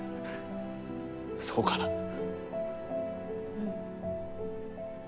うん。